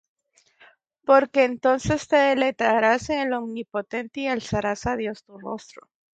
Porque entonces te deleitarás en el Omnipotente, Y alzarás á Dios tu rostro.